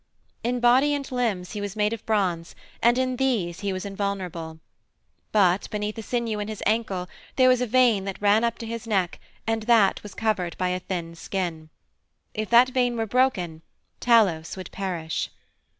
In body and limbs he was made of bronze and in these he was invulnerable. But beneath a sinew in his ankle there was a vein that ran up to his neck and that was covered by a thin skin. If that vein were broken Talos would perish.